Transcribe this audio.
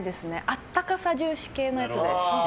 温かさ重視系のやつです。